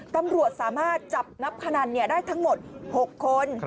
ตำรวจสามารถจับนักพนันได้ทั้งหมด๖คน